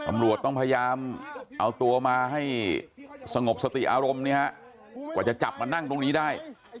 ตำรวจต้องพยายามเอาตัวมาให้สงบสติอารมณ์เนี่ยฮะกว่าจะจับมานั่งตรงนี้ได้